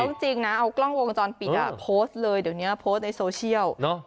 จริงนะเอากล้องวงจรปิดโพสต์เลยเดี๋ยวนี้โพสต์ในโซเชียล